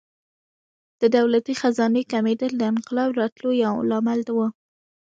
د دولتي خزانې کمېدل د انقلاب راتلو یو لامل و.